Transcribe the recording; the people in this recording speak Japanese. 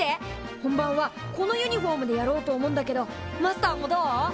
本番はこのユニフォームでやろうと思うんだけどマスターもどう？